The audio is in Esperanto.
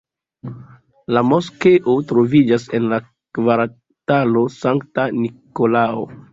La moskeo troviĝas en la kvartalo Sankta Nikolao.